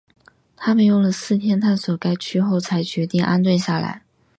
他们用了四天探索该区后才决定安顿下来。